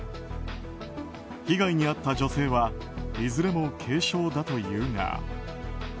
被害に遭った女性はいずれも軽傷だというが。